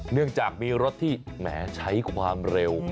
เนื่องจากมีรถที่แหมใช้ความเร็ว